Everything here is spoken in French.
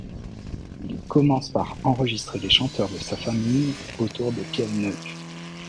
Il commence par enregistrer les chanteurs de sa famille, autour de Quelneuc.